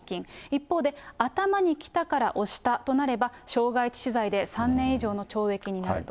一方で、頭に来たから押したとなれば、傷害致死罪で３年以上の懲役になると。